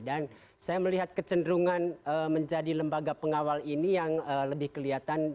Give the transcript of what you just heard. dan saya melihat kecenderungan menjadi lembaga pengawal ini yang lebih kelihatan